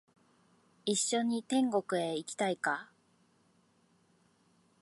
一緒に天国へ行きたいか？